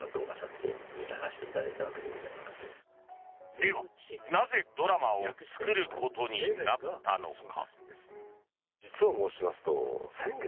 ではなぜドラマを作ることになったのか。